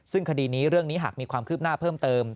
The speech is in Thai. ซึ่งคดีนี้เรื่องนี้หากมีความคืบหน้าเพิ่มเติม